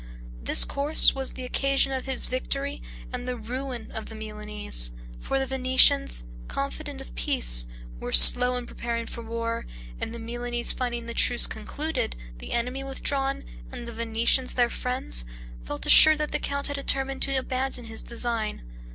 This course was the occasion of his victory and the ruin of the Milanese; for the Venetians, confident of peace, were slow in preparing for war, and the Milanese finding the truce concluded, the enemy withdrawn, and the Venetians their friends, felt assured that the count had determined to abandon his design.